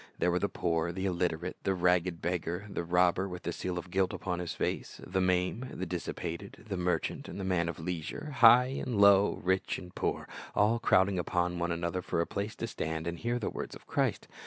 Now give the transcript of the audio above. There were the poor, the illiterate, the ragged beggar, the robber with the seal of guilt upon his face, the maimed, the dissipated, the merchant and the man of leisure, high and low, rich and poor, all crowding upon one another for a place to stand and hear the words of Christ.